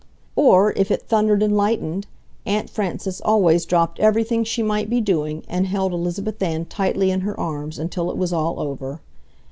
Or if it thundered and lightened, Aunt Frances always dropped everything she might be doing and held Elizabeth Ann tightly in her arms until it was all over.